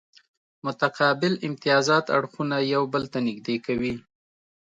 متقابل امتیازات اړخونه یو بل ته نږدې کوي